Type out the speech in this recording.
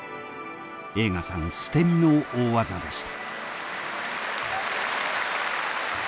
栄花さん捨て身の大技でした。